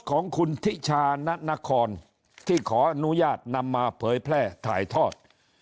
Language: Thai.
ของคุณทิชาณนครที่ขออนุญาตนำมาเผยแพร่ถ่ายทอด